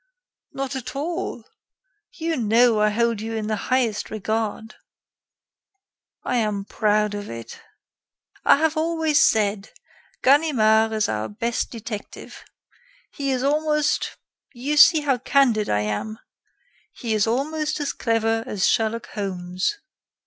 "Not at all. You know I hold you in the highest regard." "I am proud of it." "I have always said: Ganimard is our best detective. He is almost, you see how candid I am! he is almost as clever as Sherlock Holmes.